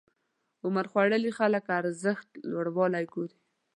عمرخوړلي خلک ارزښت لوړوالی ګوري.